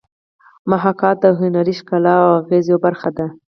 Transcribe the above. محاکات د هنري ښکلا او اغېز یوه برخه ده